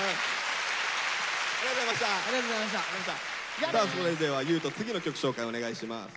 じゃあそれでは優斗次の曲紹介お願いします。